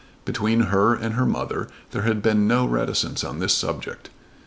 Between her and her mother there had been no reticence on this subject.